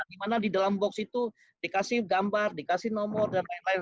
dimana di dalam box itu dikasih gambar dikasih nomor dan lain lain